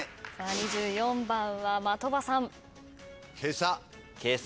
２４番は的場さん。